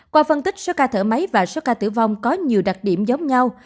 qua phân tích số ca thở máy và số ca tử vong có nhiều đặc điểm giống nhau